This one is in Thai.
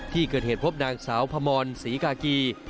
ที่เกิดเหตุพบนางสาวพมรศรีกากี